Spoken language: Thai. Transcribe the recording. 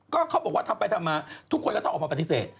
ก็เขาบอกว่าทำไปทำมาทุกคนก็ต้องออกมาปฏิเสธ